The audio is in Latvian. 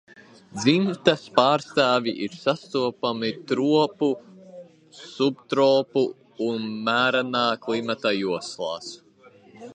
Dzimtas pārstāvji ir sastopami tropu, subtopu un mērenā klimata joslās.